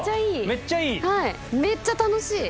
めっちゃ楽しい！